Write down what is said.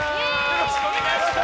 よろしくお願いします！